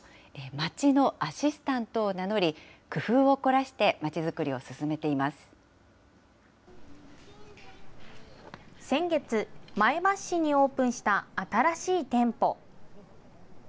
街のアシスタントを名乗り、工夫を凝らして、先月、前橋市にオープンした新しい店舗。